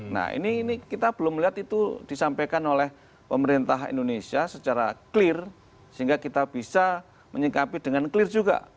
nah ini kita belum melihat itu disampaikan oleh pemerintah indonesia secara clear sehingga kita bisa menyikapi dengan clear juga